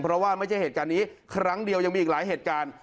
เพราะว่าไม่ใช่เหตุการณ์นี้ครั้งเดียวยังมีอีกหลายเหตุการณ์